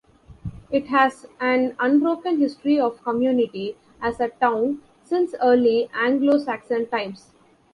It has an unbroken history of community as a town since early Anglo-Saxon times.